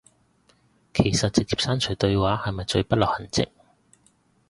其實直接刪除對話係咪最不留痕跡